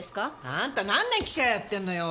あんた何年記者やってんのよ。